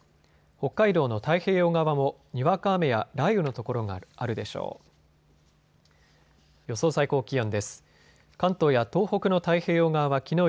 北海道の太平洋側も、にわか雨や雷雨の所があるでしょう。